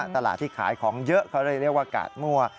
ตลาดที่ขายของเยอะเขาเรียกว่ากาดมั่ว